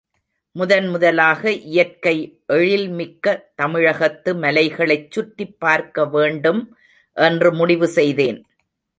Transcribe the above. முதன் முதலாக இயற்கை எழில்மிக்க தமிழகத்து மலைகளைச் சுற்றிப் பார்க்கவேண்டும் என்று முடிவுசெய்தேன்.